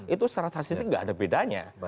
itu secara statistik tidak ada bedanya